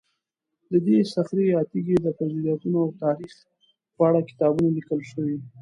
د دې صخرې یا تیږې د فضیلتونو او تاریخ په اړه کتابونه لیکل شوي.